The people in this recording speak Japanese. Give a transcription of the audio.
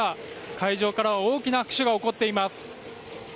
会場からは大きな拍手が起こっています。